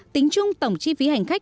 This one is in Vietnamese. tính chung tổng chi phí hành khách